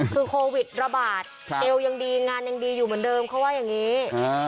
คือโควิดระบาดเอวยังดีงานยังดีอยู่เหมือนเดิมเขาว่าอย่างนี้